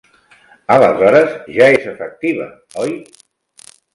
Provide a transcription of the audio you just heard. Aleshores ja és efectiva oi?